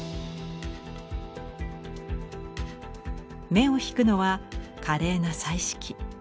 目を引くのは華麗な彩色。